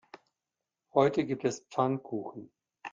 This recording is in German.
Heute gibt es Pfannkuchen.